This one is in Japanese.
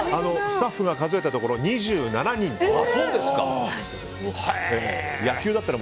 スタッフが数えたところ２７人でした。